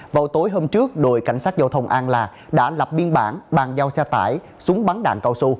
vào tối hôm trước đội cảnh sát giao thông an lạc đã lập biên bản bàn giao xe tải súng bắn đạn cao su